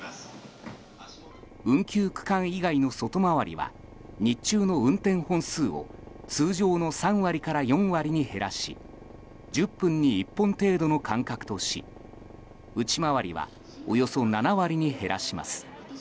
運休区間以外の外回りは日中の運転本数を通常の３割から４割に減らし１０分に１本程度の間隔とし内回りはおよそ７割に減らします。